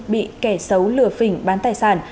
bị kẻ xấu lừa phỉnh bán tài sản